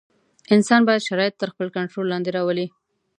انسان باید شرایط تر خپل کنټرول لاندې راولي.